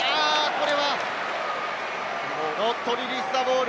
これはノットリリースザボール。